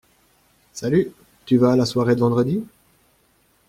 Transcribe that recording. Salut, tu vas à la soirée de vendredi?